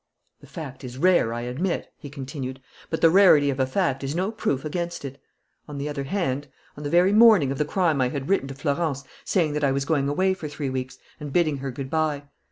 "The fact is rare, I admit," he continued. "But the rarity of a fact is no proof against it. On the other hand, on the very morning of the crime I had written to Florence saying that I was going away for three weeks and bidding her good bye.